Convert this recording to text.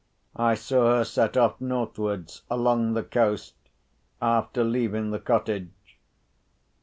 I saw her set off northwards along the coast, after leaving the cottage.